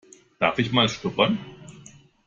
Darf ich mal schnuppern?